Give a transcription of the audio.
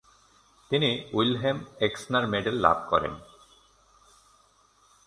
তিনি Wilhelm Exner medal লাভ করেন।